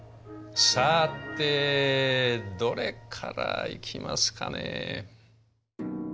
さてどれからいきますかね。